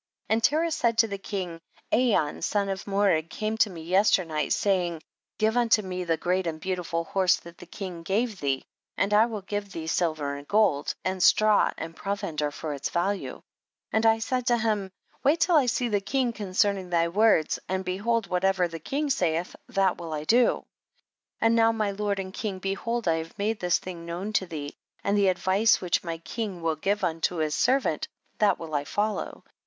19. And Terah said to the king, Ayon, son of Mored, came to me yesternight, saying, 20. Give unto me the great and beautiful horse that the king gave thee, and I will give thee silver and gold, and stravi^ and provender for its value ; and I said to him, wait till I see the king concerning thy words, and behold whatever the king'saith, that will I do. 21. And now my lord and\mg, behold I have made this thing known to thee, and the advice which my king will give unto his servant, that will I follow.